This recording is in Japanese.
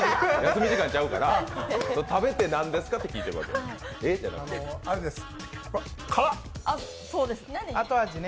休み時間ちゃうから、食べて何ですかって聞いてるんです。